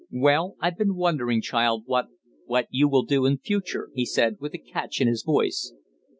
"Well I've been wondering, child, what what you will do in future," he said, with a catch in his voice.